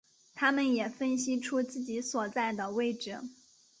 他们也分析出自己所在的位置。